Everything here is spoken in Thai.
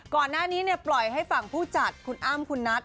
ก่อนหน้านี้ปล่อยให้ฝั่งผู้จัดคุณอ้ำคุณนัท